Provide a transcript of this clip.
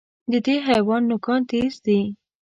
د دې حیوان نوکان تېز دي.